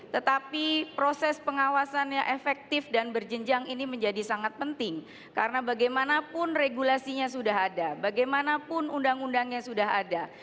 tetapi proses pengawasannya efektif dan berjenjang ini menjadi sangat penting karena bagaimanapun regulasinya sudah ada bagaimanapun undang undangnya sudah ada